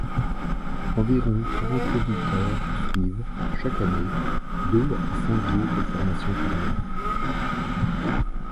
Environ quarante auditeurs suivent, chaque année, deux à cinq jours de formation chaque mois.